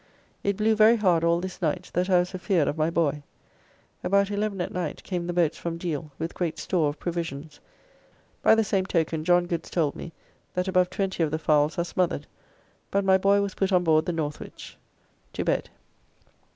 It blew very hard all this night that I was afeard of my boy. About 11 at night came the boats from Deal, with great store of provisions, by the same token John Goods told me that above 20 of the fowls are smothered, but my boy was put on board the Northwich. To bed.